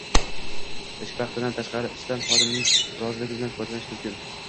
Ish vaqtidan tashqari ishdan xodimning roziligi bilan foydalanish mumkin